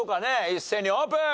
一斉にオープン！